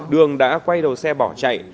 đường đã quay đầu xe bỏ chạy